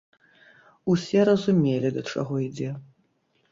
Усе разумелі, да чаго ідзе.